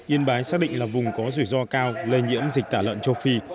yên bái xác định là vùng có rủi ro cao lây nhiễm dịch tả lợn châu phi